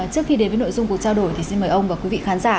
trước khi đến với nội dung cuộc trao đổi thì xin mời ông và quý vị khán giả